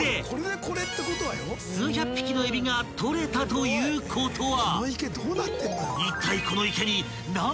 ［数百匹のえびが取れたということは］